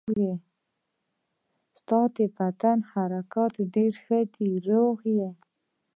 ستا د بدن حرارت ډېر ښه دی، روغ یې.